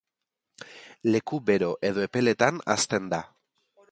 Leku bero edo epeletan hazten da.